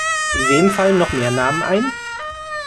Wem fallen noch mehr Namen ein?